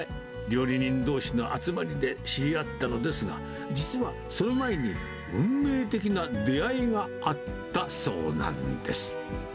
料理人どうしの集まりで知り合ったのですが、実は、その前に運命的な出会いがあったそうなんです。